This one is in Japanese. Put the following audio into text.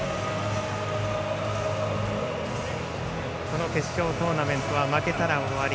この決勝トーナメントは負けたら終わり。